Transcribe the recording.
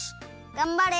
がんばれ。